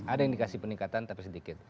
ada indikasi peningkatan tapi sedikit